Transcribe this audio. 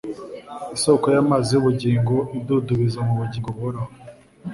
"Isoko y'amazi y'ubugingo idudubiza mu bugingo buhoraho."